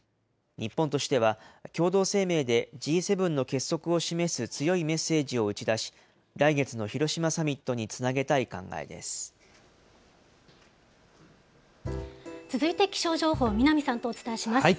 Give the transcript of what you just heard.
日本としては、共同声明でＧ７の結束を示す強いメッセージを打ち出し、来月の広続いて気象情報、南さんとお伝えします。